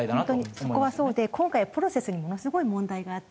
そこはそうで今回はプロセスにものすごい問題があって。